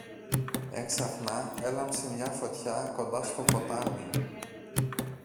Έξαφνα έλαμψε μια φωτιά κοντά στο ποτάμι.